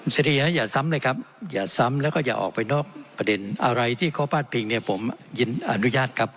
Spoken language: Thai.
เสียอย่าซ้ำเลยครับอย่าซ้ำแล้วก็อย่าออกไปนอกประเด็นอะไรที่เขาพาดพิงเนี่ยผมอนุญาตครับ